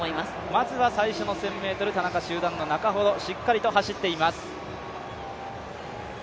まずは１０００ｍ、田中集団の中ほど、しっかりと走っています。